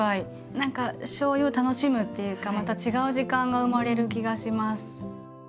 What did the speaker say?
何かしょうゆを楽しむっていうかまた違う時間が生まれる気がします。